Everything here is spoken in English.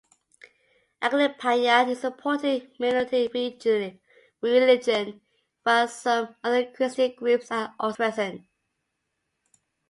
Aglipayan is an important minority religion while some other Christian groups are also present.